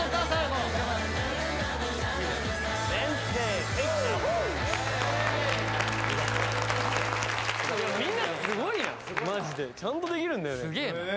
マジでちゃんとできるんだよね